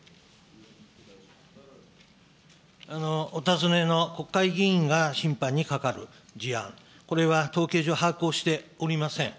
お尋ねの国会議員が侵犯にかかる事案、これは統計上、把握をしておりません。